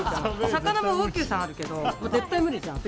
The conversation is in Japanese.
魚も魚久さんあるけど絶対無理じゃん。